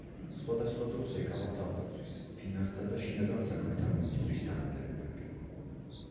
სხვადასხვა დროს ეკავა თავდაცვის, ფინანსთა და შინაგან საქმეთა მინისტრის თანამდებობები.